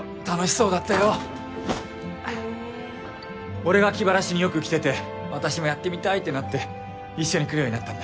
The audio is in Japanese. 俺が気晴らしによく来てて私もやってみたいってなって一緒に来るようになったんだ。